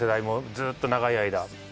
もうずっと長い間。